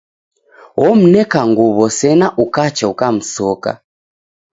Omneka nguw'o sena ukacha ukamsoka.